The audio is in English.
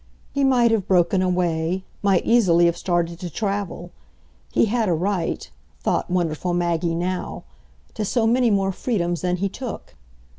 He might have broken away, might easily have started to travel; he had a right thought wonderful Maggie now to so many more freedoms than he took!